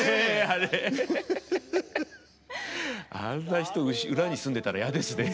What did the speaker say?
あんな人裏に住んでたら嫌ですね。